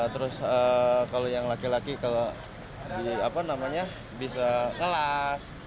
terus kalau yang laki laki kalau bisa ngelas